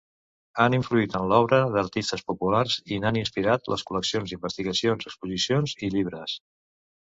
Han influït en l'obra d'artistes populars i n'han inspirat les col·leccions, investigació, exposicions i llibres.